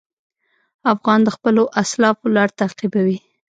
افغان د خپلو اسلافو لار تعقیبوي.